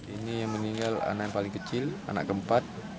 ini yang meninggal anak yang paling kecil anak keempat